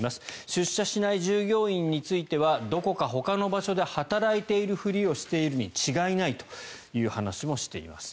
出社しない従業員についてはどこかほかの場所で働いているふりをしているに違いないという話もしています。